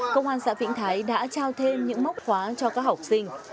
công an xã vĩnh thái đã trao thêm những móc khóa cho các học sinh